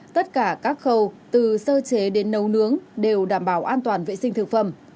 tất cả các khâu từ sơ chế đến nấu nướng đều đảm bảo an toàn vệ sinh thực phẩm